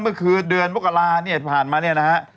เมื่อคืนเดือนมกราเนี่ยผ่านมาเนี่ยนะฮะ